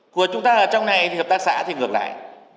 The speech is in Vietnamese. của chúng ta ở trong này thì hợp tác xã thì ngược lại